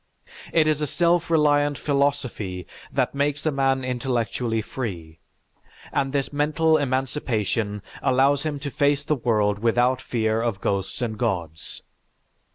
It is a self reliant philosophy that makes a man intellectually free, and this mental emancipation allows him to face the world without fear of ghosts and gods.